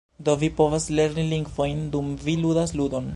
Do, vi povas lerni lingvojn dum vi ludas ludon